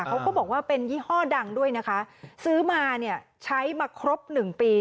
เขาก็บอกว่าเป็นยี่ห้อดังด้วยนะคะซื้อมาเนี่ยใช้มาครบหนึ่งปี